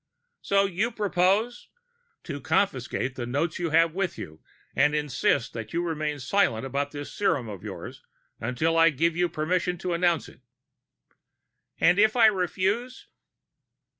"So you propose " "To confiscate the notes you have with you, and to insist that you remain silent about this serum of yours until I give you permission to announce it." "And if I refuse?"